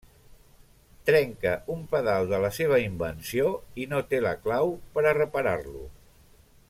Trenca un pedal de la seva invenció i no té la clau per a reparar-lo.